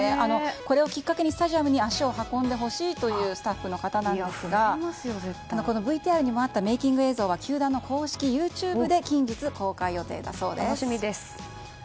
これをきっかけにスタジアムに足を運んでほしいというスタッフの方なんですがこのＶＴＲにもあったメイキング映像は球団の公式ＹｏｕＴｕｂｅで近日、公開予定だそうです。